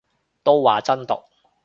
都話真毒